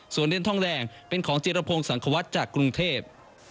ส่วนเรียนทองแรงเป็นของเจรพงสังควัตจากกรุงเทพ